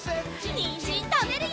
にんじんたべるよ！